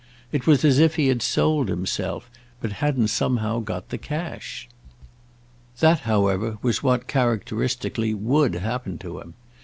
It was as if he had sold himself, but hadn't somehow got the cash. That, however, was what, characteristically, would happen to him.